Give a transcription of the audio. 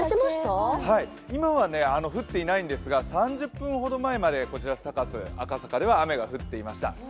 今は降っていないんですが３０分ほど前までこちらサカス、赤坂では雨が降っていました。